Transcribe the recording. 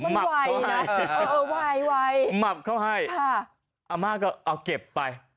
มับเข้าให้มับเข้าให้อาม่าก็เอาเก็บไป